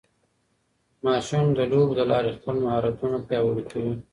ماشومان د لوبو له لارې خپل مهارتونه پیاوړي کوي.